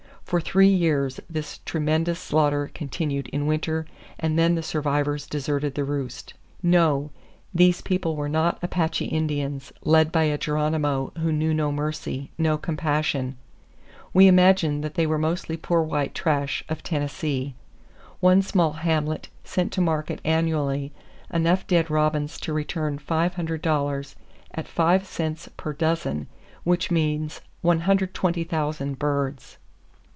For three years this tremendous slaughter continued in winter,—and then the survivors deserted the roost." No: these people were not Apache Indians, led by a Geronimo who knew no mercy, no compassion. We imagine that they were mostly poor white trash, of Tennessee. One small hamlet sent to market annually enough dead robins to return $500 at five cents per dozen; which means 120,000 birds!